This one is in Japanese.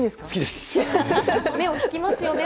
目を引きますよね。